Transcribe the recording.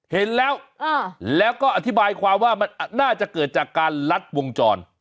เห็นแล้วแล้วก็อธิบายความว่ามันน่าจะเกิดจากการลัดวงจร